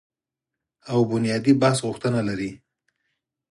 او بنیادي بحث غوښتنه لري